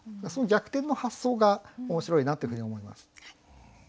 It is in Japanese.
その逆転の発想が面白いなというふうに思います。